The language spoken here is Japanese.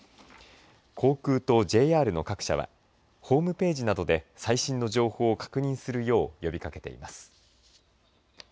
航空とＪＲの各社はホームページなどで最新の情報を確認するよう呼びかけています。